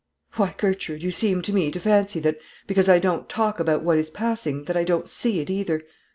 "Why, Gertrude, you seem to me to fancy that, because I don't talk about what is passing, that I don't see it either.